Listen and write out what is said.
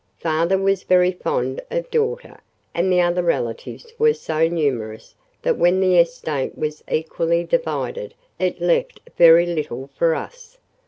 Father was very fond of daughter, and the other relatives were so numerous that when the estate was equally divided it left very little for us.